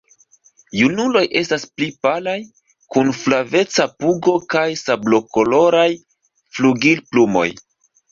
Junuloj estas pli palaj, kun flaveca pugo kaj sablokoloraj flugilplumoj.